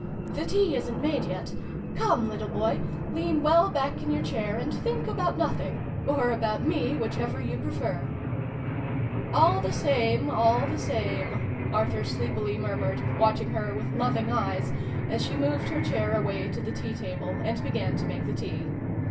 " The tea isn't made yet. Come, little boy, lean well back in your chair, and think about nothing or about me, whichever you prefer !"" All the same, all the same !" Arthur sleepi ly murmured, watching her with loving eyes, as she moved her chair away to the tea table, and began to make the tea.